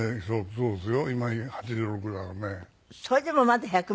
そうですよ。